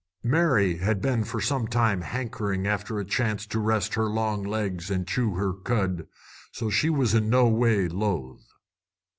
Mary had been for some time hankering after a chance to rest her long legs and chew her cud, so she was in no way loath.